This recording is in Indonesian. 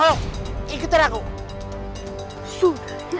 kenapa kau berhenti berdagang